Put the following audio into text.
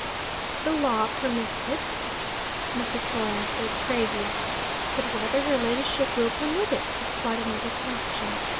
'The law permits it,' Mr. Troy answered gravely; 'but whether her ladyship will permit it, is quite another question.